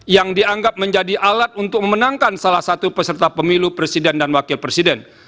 yang dianggap menjadi alat untuk memenangkan salah satu peserta pemilu presiden dan wakil presiden